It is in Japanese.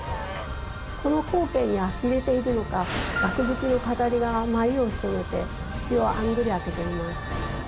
この光景にあきれているのか額縁の飾りが眉をひそめて口をあんぐり開けています。